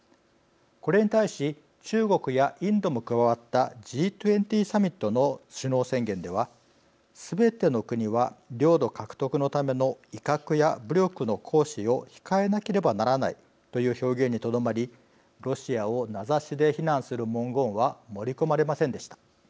これに対し中国やインドも加わったＧ２０サミットの首脳宣言ではすべての国は領土獲得のための威嚇や武力の行使を控えなければならないという表現にとどまりロシアを名指しで非難する文言は盛り込まれませんでした。